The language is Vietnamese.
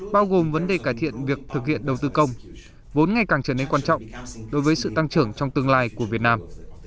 bao gồm vấn đề cải thiện việc thực hiện đầu tư công vốn ngày càng trở nên quan trọng đối với sự tăng trưởng trong tương lai của việt nam